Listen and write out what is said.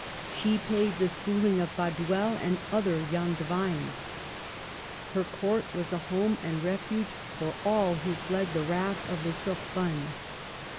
She paid the school ing of Baduel and other young divines. Her court was a home and a refu£:;e for all who fled the wrath of the Sorbonne.